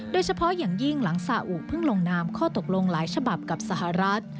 โดยเฉพาะอย่างยิ่งหลังซาอุเพิ่งลงนามข้อตกลงหลายฉบับกับสหรัฐ